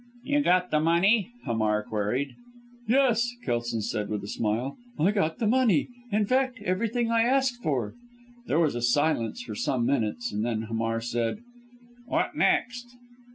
'" "You got the money?" Hamar queried. "Yes," Kelson said with a smile, "I got the money in fact, everything I asked for." There was silence for some minutes, and then Hamar said, "What next?"